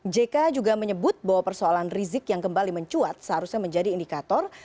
jk juga menyebut bahwa persoalan rizik yang kembali mencuat seharusnya menjadi indikator